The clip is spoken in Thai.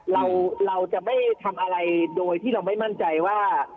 เราจะไม่ทำอะไรโดยที่เราไม่มั่นใจว่า